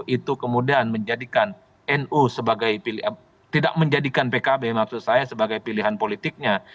itu kemudian menjadikan nu sebagai pilihan tidak menjadikan pkb maksud saya sebagai pilihan politiknya